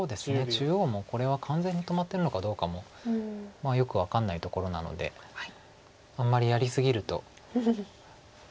中央もこれは完全に止まってるのかどうかもまあよく分かんないところなのであんまりやり過ぎると。